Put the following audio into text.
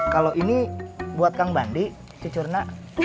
kalau ini buat kang bandi cucurna